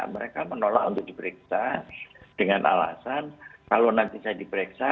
mereka menolak untuk diperiksa dengan alasan kalau nanti saya diperiksa